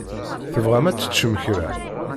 Tebɣam ad teččem kra?